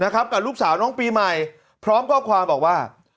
กับลูกสาวน้องปีใหม่พร้อมข้อความบอกว่า